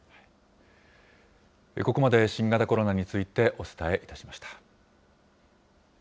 ここまで新型コロナについてお伝えいたしました。